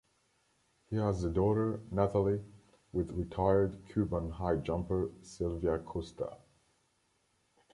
He has a daughter, Nathalie, with retired Cuban high jumper Silvia Costa.